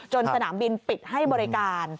สนามบินปิดให้บริการ